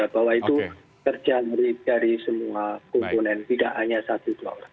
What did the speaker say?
bahwa itu kerja dari semua komponen tidak hanya satu dua orang